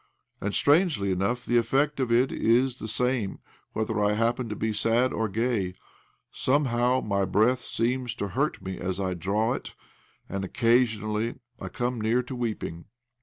And, strangely enough, the effect of it is the same whether I happen to be sad or gay. Somehow my breath seems to hurt me as I draw it, and occasionally I come near to weeping.